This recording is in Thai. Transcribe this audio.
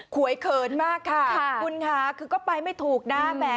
วยเขินมากค่ะคุณค่ะคือก็ไปไม่ถูกนะแหม